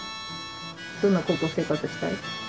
どんな高校生活したい？